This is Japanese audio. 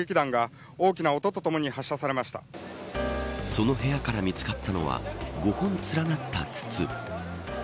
その部屋から見つかったのは５本連なった筒。